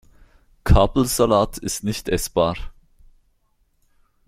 Kabelsalat ist nicht essbar.